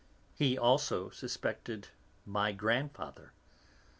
He also suspected my grandfather.